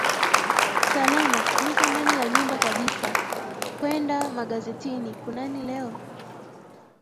salama niko ndani ya nyumba kabisa kwende magazetini kunani leo